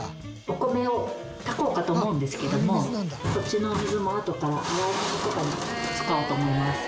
お米を炊こうかと思うんですけどもこっちのお水もあとから洗い物とかに使おうと思います。